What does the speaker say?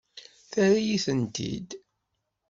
Terra-yi-tent-id.